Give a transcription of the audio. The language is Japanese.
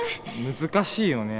難しいよね。